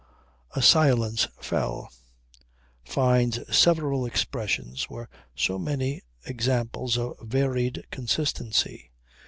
A silence fell. Fyne's several expressions were so many examples of varied consistency.